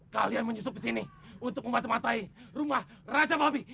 kalian menyusup ke sini untuk mematematai rumah raja babi